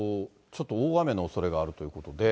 ちょっと大雨のおそれがあるということで。